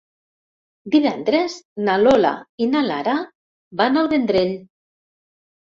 Divendres na Lola i na Lara van al Vendrell.